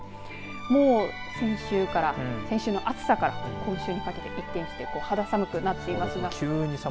もう先週から先週の暑さから今週にかけて一転して肌寒くなっていますが。